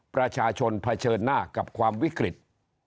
ประชาชนเผชิญหน้ากับความวิกฤต